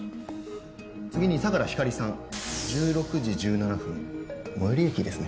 次に相良光莉さん１６時１７分最寄り駅ですね